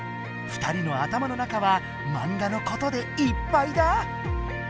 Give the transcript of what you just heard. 二人の頭の中はマンガのことでいっぱいだ！